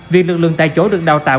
việc lực lượng tại chỗ được đào tạo